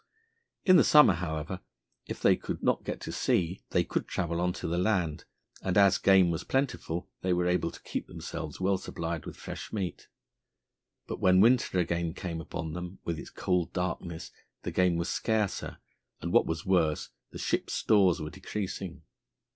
In the summer, however, if they could not get to sea, they could travel on to the land, and as game was plentiful they were able to keep themselves well supplied with fresh meat. But when winter again came upon them with its cold darkness, the game was scarcer, and, what was worse, the ship's stores were decreasing.